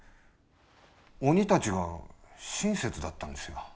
鬼たちが親切だったんですよ。